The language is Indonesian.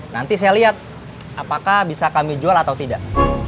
nanti saya lihat apakah bisa kami jual atau tidak